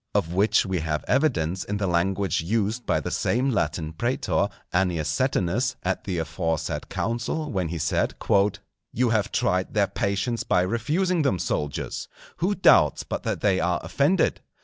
Of which we have evidence in the language used by the same Latin Prætor, Annius Setinus, at the aforesaid council, when he said:—"_You have tried their patience by refusing them, soldiers. Who doubts but that they are offended?